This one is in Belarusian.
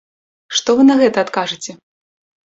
Што вы на гэта адкажыце?